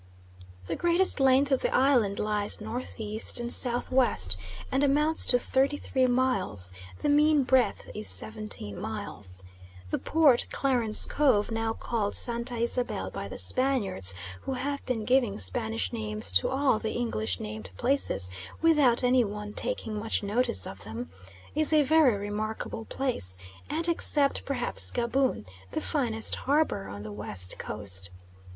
The greatest length of the island lies N.E. and S.W., and amounts to thirty three miles; the mean breadth is seventeen miles. The port, Clarence Cove, now called Santa Isabel by the Spaniards who have been giving Spanish names to all the English named places without any one taking much notice of them is a very remarkable place, and except perhaps Gaboon the finest harbour on the West Coast.